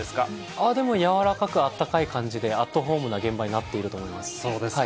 ああ、でも、柔らかくていい感じで、アットホームな現場になっていると思いまそうですか。